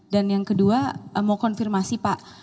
dan yang kedua mau konfirmasi pak